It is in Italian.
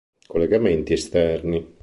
Collegamenti esterni